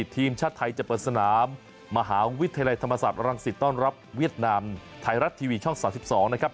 ทีมชาติไทยจะเปิดสนามมหาวิทยาลัยธรรมศาสตรังสิตต้อนรับเวียดนามไทยรัฐทีวีช่อง๓๒นะครับ